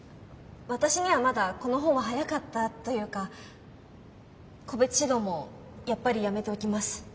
私にはまだこの本は早かったというか個別指導もやっぱりやめておきます。